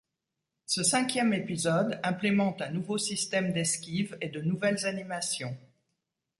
Ce cinquième épisode implémente un nouveau système d'esquive et de nouvelles animations.